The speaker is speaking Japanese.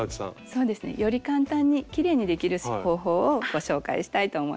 そうですねより簡単にきれいにできる方法をご紹介したいと思います。